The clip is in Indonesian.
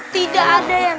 tidak ada yang